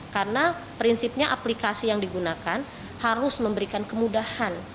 karena prinsipnya aplikasi yang digunakan harus memberikan kemudahan